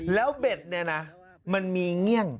แล้วเบ็ดเนี่ยนะมันมีเงี่ยง